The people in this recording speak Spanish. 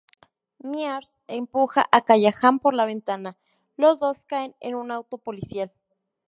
Mears empuja a Callahan por la ventana; los dos caen en un auto policial.